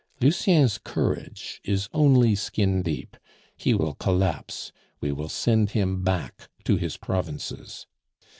Lucien's courage is only skindeep, he will collapse; we will send him back to his provinces.